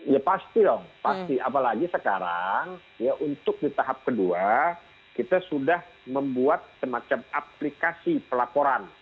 ya pasti dong pasti apalagi sekarang ya untuk di tahap kedua kita sudah membuat semacam aplikasi pelaporan